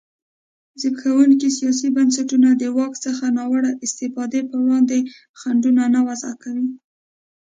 زبېښونکي سیاسي بنسټونه د واک څخه ناوړه استفادې پر وړاندې خنډونه نه وضعه کوي.